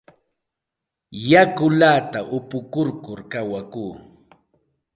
Yakullata upukur kawakuu.